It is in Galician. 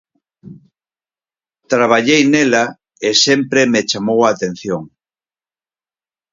Traballei nela e sempre me chamou a atención.